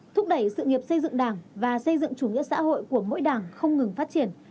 thúc đẩy sự nghiệp xây dựng đảng và xây dựng chủ nghĩa xã hội của mỗi đảng không ngừng phát triển